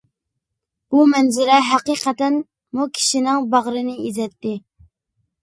بۇ مەنزىرە ھەقىقەتەنمۇ كىشىنىڭ باغرىنى ئېزەتتى.